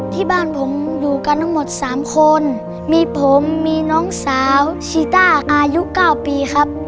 ที่บ้านผมอยู่กันทั้งหมด๓คนมีผมมีน้องสาวชีต้าอายุ๙ปีครับ